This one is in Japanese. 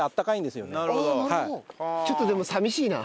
ちょっとでも寂しいな。